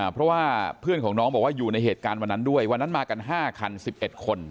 เพราะว่าเพื่อนของน้องบอกว่าอยู่ในเหตุการณ์วันนั้นด้วยวันนั้นมากัน๕คัน๑๑คน